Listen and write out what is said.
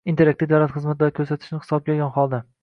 “Interaktiv davlat xizmatlari ko‘rsatishni hisobga olgan holda